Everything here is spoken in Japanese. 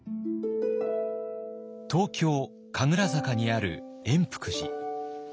東京・神楽坂にある圓福寺。